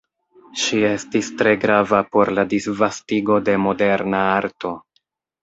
Ŝi estis tre grava por la disvastigo de moderna arto.